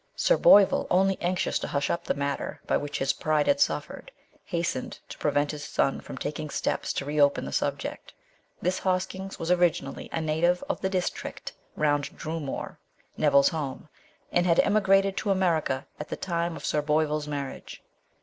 Sir Boyvill, only anxious to hush up the matter by which his pride had suffered, hastened to prevent his son from taking steps to re open the subject. This Hoskins was originally a native of the district round Dromoor, Neville's home, and had emigrated to America at the time of Sir Boyvill's marriage.